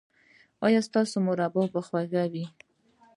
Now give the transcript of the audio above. ایا ستاسو مربا به خوږه وي؟